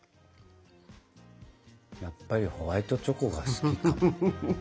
やっぱりホワイトチョコが好きかも。